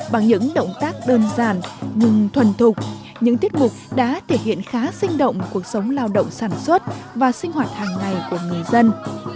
bằng những động tác đơn giản nhưng thuần thục những tiết mục đã thể hiện khá sinh động cuộc sống lao động sản xuất và sinh hoạt hàng ngày của người dân